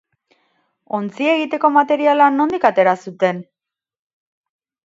Ontzia egiteko materiala nondik atera zuten?